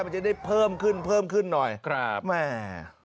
มันจะได้เพิ่มขึ้นขึ้นหน่อยแหม่